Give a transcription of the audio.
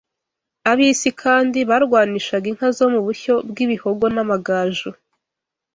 Abisi kandi barwanishaga inka zo mu bushyo bw’ibihogo n’amagaju